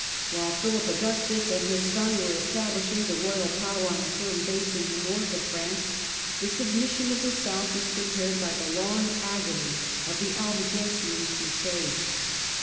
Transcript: While Philip Augustus and his son were establishing the royal power on a firm basis in the North of France the submission of the South was prepared by the long agony of the Albigensian crusade.